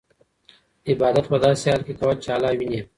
عبادت په داسې حال کې کوه چې الله وینې.